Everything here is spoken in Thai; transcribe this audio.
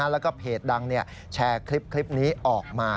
แล้วก็เพจดังแชร์คลิปนี้ออกมา